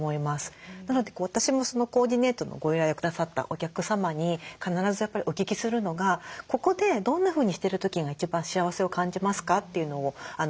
なので私もコーディネートのご依頼をくださったお客様に必ずやっぱりお聞きするのが「ここでどんなふうにしてる時が一番幸せを感じますか？」というのをお聞きするんですね。